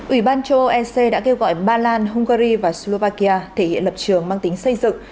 ủy ban châu âu ec đã kêu gọi ba lan hungary và slovakia thể hiện lập trường mang tính xây dựng